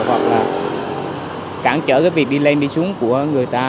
hoặc là cản trở cái việc đi lên đi xuống của người ta